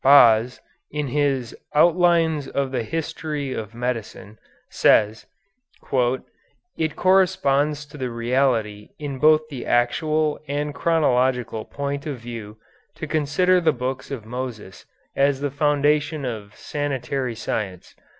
Baas, in his "Outlines of the History of Medicine," says: "It corresponds to the reality in both the actual and chronological point of view to consider the books of Moses as the foundation of sanitary science.